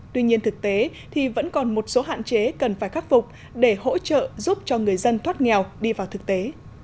tuy nhiên thực tế thì vẫn còn một số hạn chế cần phải khắc phục để hỗ trợ giúp cho người dân thoát nghèo đi vào thực tế